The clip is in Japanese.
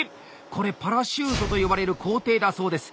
これ「パラシュート」と呼ばれる工程だそうです。